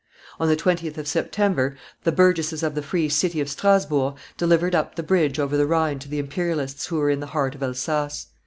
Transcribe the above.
On the 20th of September, the burgesses of the free city of Strasburg delivered up the bridge over the Rhine to the Imperialists who were in the heart of Elsass.